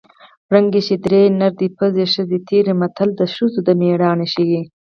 ړنګې شې درې نر دې پڅ ښځې تېرې متل د ښځو مېړانه ښيي